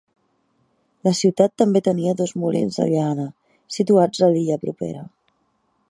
La ciutat també tenia dos molins de llana, situats a l'illa propera.